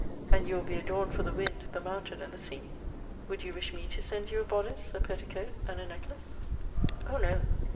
*' And you will be adorned for the wind, the mountain, and the sea. Would you wish me to send you a boddice, a petticoat, and a necklace ?" 248 MEMOIRS OF "Oh! no."